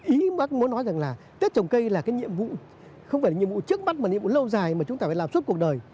ý bác muốn nói rằng là tết trồng cây là cái nhiệm vụ không phải là nhiệm vụ trước mắt mà nhiệm vụ lâu dài mà chúng ta phải làm suốt cuộc đời